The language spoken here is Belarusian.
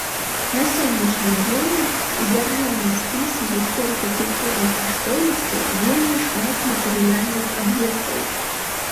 На сённяшні дзень у дзяржаўным спісе гісторыка-культурных каштоўнасцяў вельмі шмат матэрыяльных аб'ектаў.